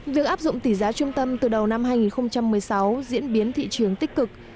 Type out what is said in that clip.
việc áp dụng tỷ giá trung tâm từ đầu năm hai nghìn một mươi sáu diễn biến thị trường tích cực